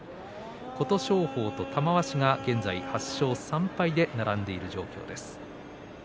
琴勝峰と玉鷲が現在８勝３敗で並んでいる状況です。